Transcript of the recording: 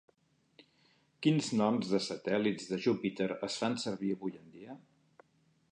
Quins noms de satèl·lits de Júpiter es fan servir avui en dia?